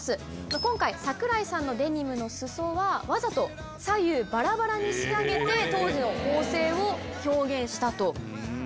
今回桜井さんのデニムの裾はわざと左右バラバラに仕上げて当時の縫製を表現したと。